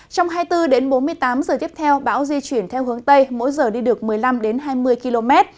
trong hai mươi bốn đến bốn mươi tám giờ tiếp theo bão di chuyển theo hướng tây mỗi giờ đi được một mươi năm hai mươi km